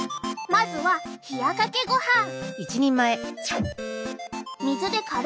まずは冷やかけごはん。